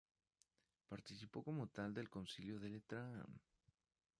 Participó como tal del Concilio de Letrán.